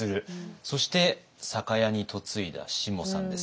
そして酒屋に嫁いだしもさんです。